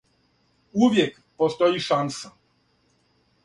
"Увијек постоји шанса."